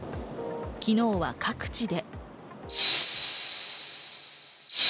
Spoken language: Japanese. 昨日は各地で。